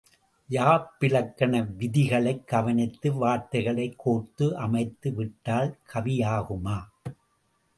யாப்பிலக்கண விதிகளைக் கவனித்து வார்த்தைகளைக் கோர்த்து அமைத்து விட்டால் கவியாகுமா?